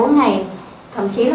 ba bốn ngày thậm chí là